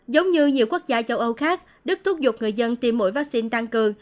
giống như nhiều quốc gia châu âu khác đức thúc giục người dân tiêm mũi vaccine tăng cường